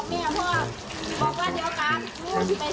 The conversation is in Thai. บอกเมี่ยพ่อบอกว่าเดียวกัน